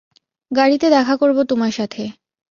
গাড়িতে দেখা করবো তোমার সাথে।